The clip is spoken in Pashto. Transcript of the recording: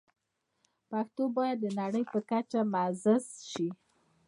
پښتو باید د نړۍ په کچه معزز شي.